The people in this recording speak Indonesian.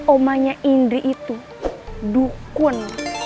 omanya indri itu dukun